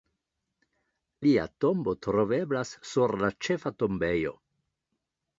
Lia tombo troveblas sur la ĉefa tombejo.